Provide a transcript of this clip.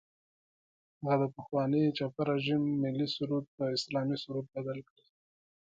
هغه د پخواني چپي رژیم ملي سرود په اسلامي سرود بدل کړي.